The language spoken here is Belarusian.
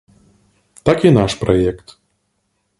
Так і наш праект.